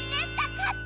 かった！